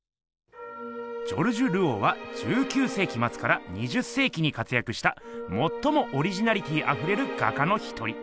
ジョルジュ・ルオーは１９せいきまつから２０せいきに活やくしたもっともオリジナリティーあふれる画家の一人。